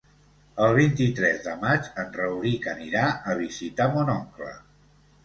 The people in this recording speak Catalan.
El vint-i-tres de maig en Rauric anirà a visitar mon oncle.